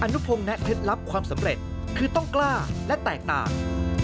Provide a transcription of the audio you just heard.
นุพงศ์แนะเคล็ดลับความสำเร็จคือต้องกล้าและแตกต่าง